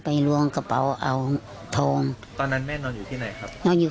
ลวงกระเป๋าเอาทองตอนนั้นแม่นอนอยู่ที่ไหนครับนอนอยู่